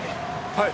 はい。